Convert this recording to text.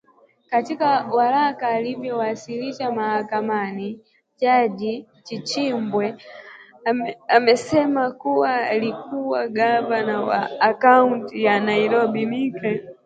Katika waraka aliouwasilisha mahakamani jaji Chitembwe amesema kuwa aliyekuwa gavana wa kaunta ya Nairobi Mike